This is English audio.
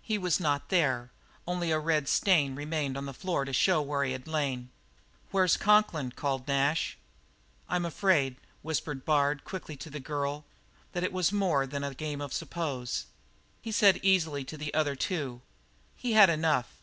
He was not there; only a red stain remained on the floor to show where he had lain. "Where's Conklin?" called Nash. "I'm afraid," whispered Bard quickly to the girl, "that it was more than a game of suppose." He said easily to the other two: "He had enough.